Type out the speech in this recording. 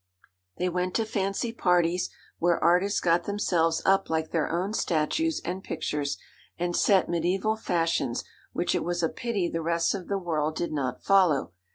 They went to fancy parties, where artists got themselves up like their own statues and pictures, and set mediæval fashions which it was a pity the rest of the world did not follow.